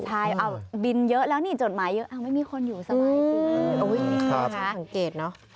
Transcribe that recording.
ใช่บินเยอะแล้วนี่จดหมายเยอะไม่มีคนอยู่สมากอย่างสิ